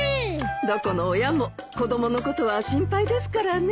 どこの親も子供のことは心配ですからね。